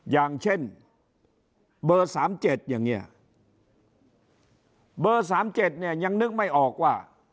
อย่างเช่นเบอร์สามเจ็ดอย่างเงี้ยเบอร์สามเจ็ดเนี่ยยังนึกไม่ออกว่า